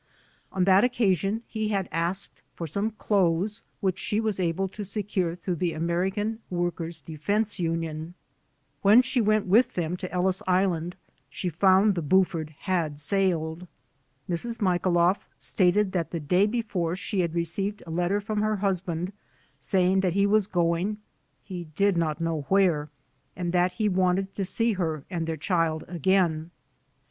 On that occasion he had asked for some clothes which she was able to secure through the American Workers Defense Union. When 89 90 THE DEPORTATION CASES she went with them to Ellis Island she found the ''Bu ford" had sailed. Mrs. Michailoff stated that the day before she had received a letter from her husband saying that he was going, he did not know where, and that he wanted to see her and their child again.